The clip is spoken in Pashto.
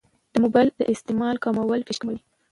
د موبایل د استعمال کمول فشار کموي.